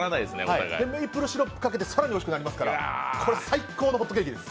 メイプルシロップかけて更においしくなりますから、これ、最高のホットケーキです。